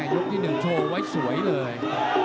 ยกที่๑โชว์ไว้สวยเลย